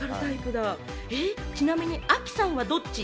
ちなみに亜希さんはどっち？